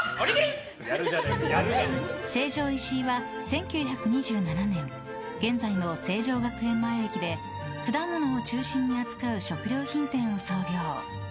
成城石井は１９２７年現在の成城学園前駅で果物を中心に扱う食料品店を創業。